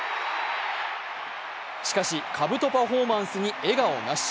しかし、かぶとパフォーマンスに笑顔なし。